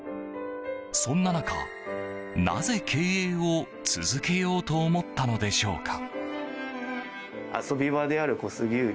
そんな中、なぜ経営を続けようと思ったのでしょうか。